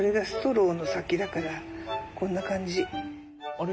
あれ？